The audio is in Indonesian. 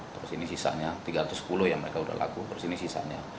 terus ini sisanya rp tiga ratus sepuluh yang mereka sudah lakukan terus ini sisanya